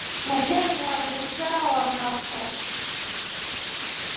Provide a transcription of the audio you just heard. Ni nginywa mringa wa mofa.